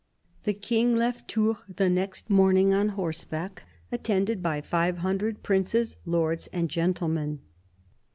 The King left Tours the next morning on horseback, attended by five hundred princes, lords and gentlemen.